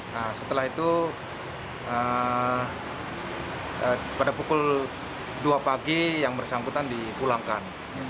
nah setelah itu pada pukul dua pagi yang bersangkutan dipulangkan